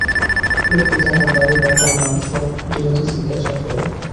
লোকটি তাহার বাড়ি, বাপের নাম সব খুঁটিনাটি জিজ্ঞাসা করে।